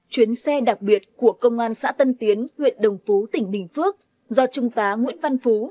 chuyến xe đặc biệt của công an xã tân tiến huyện đồng phú tỉnh bình phước do trung tá nguyễn văn phú